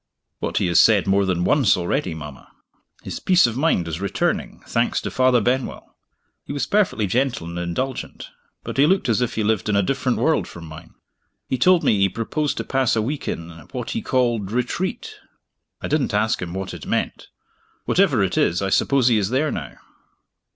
"What he has said more than once already, mama. His peace of mind is returning, thanks to Father Benwell. He was perfectly gentle and indulgent but he looked as if he lived in a different world from mine. He told me he proposed to pass a week in, what he called, Retreat. I didn't ask him what it meant. Whatever it is, I suppose he is there now."